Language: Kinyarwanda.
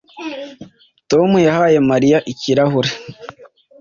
Tom yahaye Mariya ikirahure